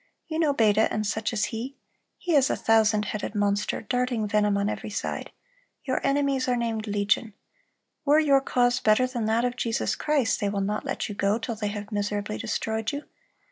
You know Beda and such as he—he is a thousand headed monster, darting venom on every side. Your enemies are named legion. Were your cause better than that of Jesus Christ, they will not let you go till they have miserably destroyed you.